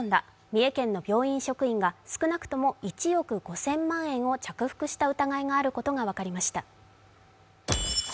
三重県の病院職員が少なくとも１億５０００万円を着服した疑いがあることが分かりました。